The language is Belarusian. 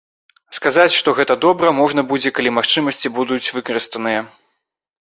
Сказаць, што гэта добра, можна будзе, калі магчымасці будуць выкарыстаныя.